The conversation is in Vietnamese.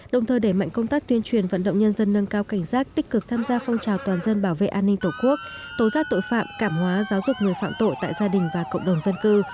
đồng thời đẩy mạnh công tác tuyên truyền vận động nhân dân nâng cao cảnh giác tích cực tham gia phong trào toàn dân bảo vệ an ninh tổ quốc tố giác tội phạm cảm hóa giáo dục người phạm tội tại gia đình và cộng đồng dân cư